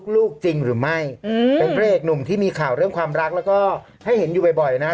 แล้วก็ให้เห็นอยู่บ่อยนะฮะ